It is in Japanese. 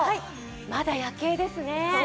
まだ夜景ですね。